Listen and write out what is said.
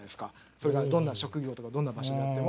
それがどんな職業とかどんな場所であっても。